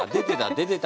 出てた？